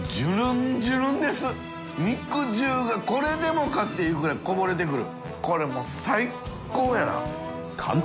これでもかっていうぐらいこぼれてくる。